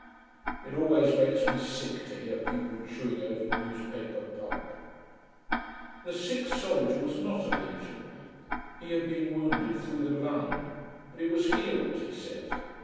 It always makes me sick to hear people chewing over newspaper pulp. The sick soldier was not a legionary. He had been wounded through the lung. But it was healed, he said.